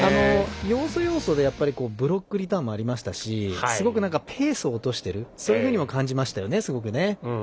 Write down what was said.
要所要所でブロックリターンもありましたしすごくペースを落としているように感じましたね。